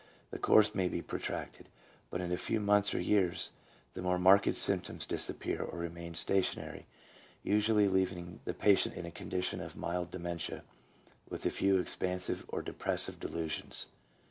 The course may be protracted, but in a few months or years the more marked symptoms dis appear or remain stationary, usually leaving the patient in a condition of mild dementia with a iew expansive or depressive delusions.